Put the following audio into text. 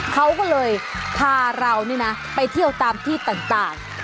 เขาก็เลยพาเรานี่นะไปเที่ยวตามที่ต่าง